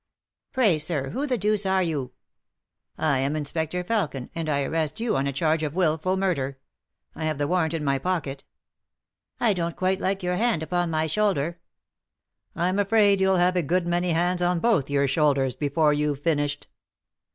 " Pray, sir, who the deuce are you ?" "I am Inspector Felkin, and I arrest you on a charge of wilful murder, I have the warrant in my pocket." " I don't quite like your hand upon my shoulder." "I'm afraid you'll have a good many hands on both your shoulders before you've finished."